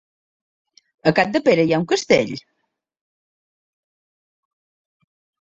A Capdepera hi ha un castell?